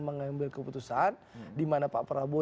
mengambil keputusan dimana pak prabowo